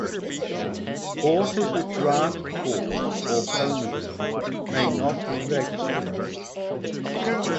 Horses with draft horse or pony blood may not be registered.